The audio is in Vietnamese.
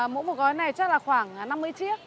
mỗi một gói này chắc là khoảng năm mươi chiếc